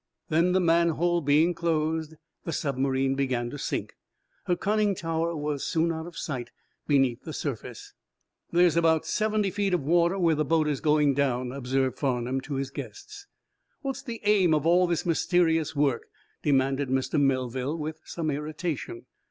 Then, the manhole being closed, the submarine began to sink. Her conning tower was soon out of sight beneath the surface. "There's about seventy feet of water, where the boat is going down," observed Farnum, to his guests. "What's the aim of all this mysterious work?" demanded Mr. Melville, with some irritation.